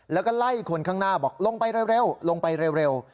แล้วก็ไล่คนข้างหน้าบอกลงไปเร็ว